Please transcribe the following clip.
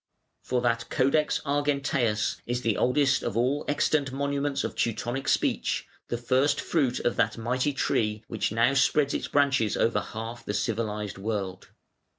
For that Codex Argenteus is oldest of all extant monuments of Teutonic speech, the first fruit of that mighty tree which now spreads its branches over half the civilised world.